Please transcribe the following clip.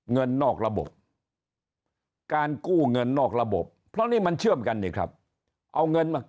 เงินนอกระบบการกู้เงินนอกระบบเพราะนี่มันเชื่อมกันนี่ครับเอาเงินมา